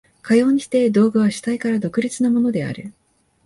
かようにして道具は主体から独立なものである。